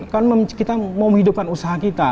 kan kita mau menghidupkan usaha kita